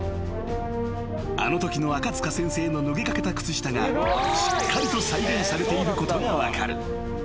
［あのときの赤塚先生の脱げかけた靴下がしっかりと再現されていることが分かる］